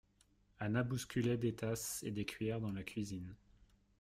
Anna bousculait des tasses et des cuillères dans la cuisine.